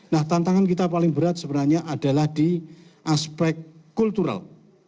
nah tantangan kita paling berat sebenarnya adalah di aspek kultural